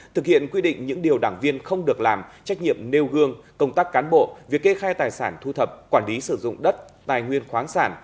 thực hiện quy định những điều đảng viên không được làm trách nhiệm nêu gương công tác cán bộ việc kê khai tài sản thu thập quản lý sử dụng đất tài nguyên khoáng sản